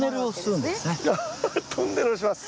トンネルをします。